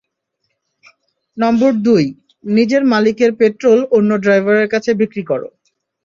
নম্বর দুই, নিজের মালিকের পেট্রোল অন্য ড্রাইভারের কাছে বিক্রি করো।